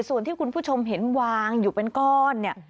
ส่วนที่คุณผู้ชมเห็นวางอยู่เป็นก้อนเนี่ย